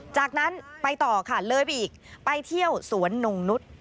จากนั้นไปต่อค่ะเลยไปอีกไปเที่ยวสวนนงนุษย์